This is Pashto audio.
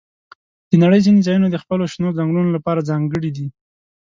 د نړۍ ځینې ځایونه د خپلو شنو ځنګلونو لپاره ځانګړي دي.